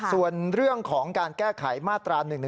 ส่วนเรื่องของการแก้ไขมาตรา๑๑๒